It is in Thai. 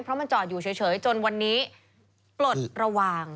เพราะมันจอดอยู่เฉยจนวันนี้ปลดระวัง